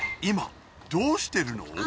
今どうしてるの？